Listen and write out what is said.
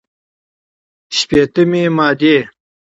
شپېتمې مادې